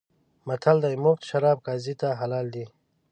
متل دی: مفت شراب قاضي ته حلال دي.